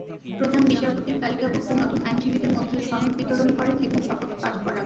প্রধান বিচারপতি তালিকাভুক্ত নতুন আইনজীবীদের মধ্যে সনদ বিতরণ করেন এবং শপথ পাঠ করান।